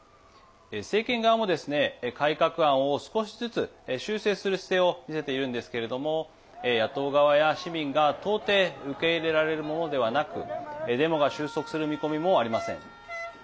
政権側もですね改革案を少しずつ修正する姿勢を見せているんですけれども野党側や市民が到底受け入れられるものではなくデモが終息する見込みもありません。